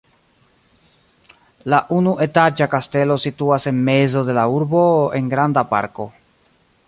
La unuetaĝa kastelo situas en mezo de la urbo en granda parko.